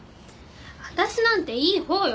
私なんていいほうよ